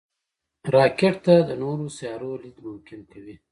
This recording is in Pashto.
راکټ انسان ته د نورو سیارو لید ممکن کوي